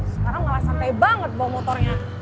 sekarang gak lagi santai banget bawa motornya